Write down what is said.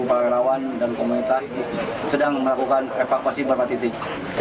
para relawan dan komunitas sedang melakukan evakuasi beberapa titik